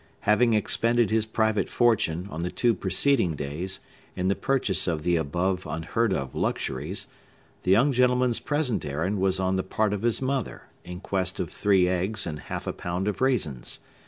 Having expended his private fortune, on the two preceding days, in the purchase of the above unheard of luxuries, the young gentleman's present errand was on the part of his mother, in quest of three eggs and half a pound of raisins.